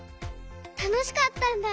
たのしかったんだ。